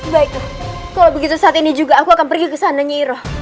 baik kalau begitu saat ini juga aku akan pergi ke sana nyiro